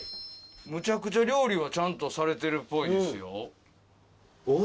むちゃくちゃ料理はちゃんとされてるっぽいですよ。